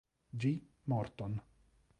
G. Morton.